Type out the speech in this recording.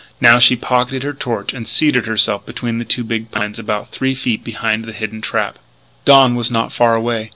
Now she pocketed her torch and seated herself between the two big pines and about three feet behind the hidden trap. Dawn was not far away.